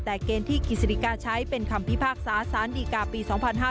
แต่เกณฑ์ที่กฤษฎิกาใช้เป็นคำพิพากษาสารดีกาปี๒๕๕๙